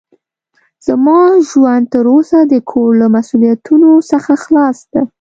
زما ژوند تر اوسه د کور له مسوؤليتونو څخه خلاص ده.